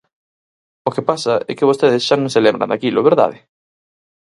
O que pasa é que vostedes xa non se lembran daquilo, ¿verdade?